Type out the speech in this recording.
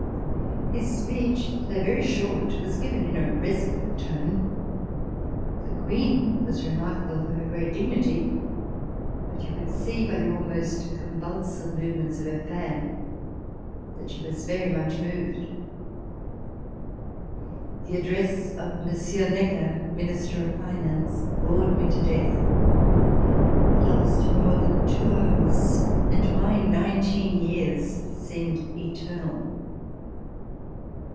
His speech, although very short, was given in a resolute tone. The Queen was remarkable for her great dignity, but you could see by the almost convulsive movements of her fan that she was very much moved. The address of Monsieur Necker, Minister of Finance, bored me to death. It lasted more than two hours and, to my nineteen years, seemed eternal.